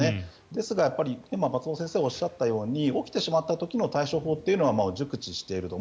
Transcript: ですがやっぱり松本先生がおっしゃったように起きてしまった時の対処法は熟知していると。